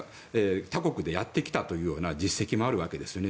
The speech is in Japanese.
こういうのを他国でやってきたという実績もあるわけですね。